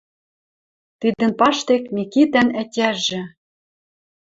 Тидӹн паштек Микитӓн ӓтяжӹ